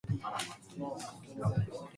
嗷嗷待哺